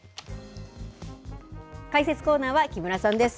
解説コーナーは木村さんです。